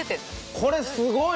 これはすごい。